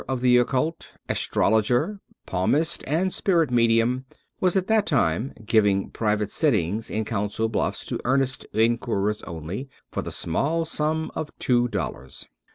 239 True Stories of Modern Magic Spirit Medium," was at that time giving private sittings in Council BluflFs to earnest inquirers only, for the small sum of two dollars.